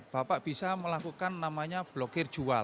bapak bisa melakukan namanya blokir jual